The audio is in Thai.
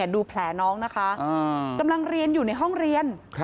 ดูแผลน้องนะคะกำลังเรียนอยู่ในห้องเรียน